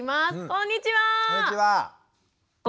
こんにちは。